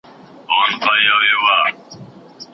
رواني ناروغان څنګه درملنه کیږي؟